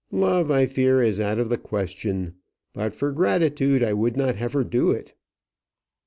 Love, I fear, is out of the question. But for gratitude I would not have her do it."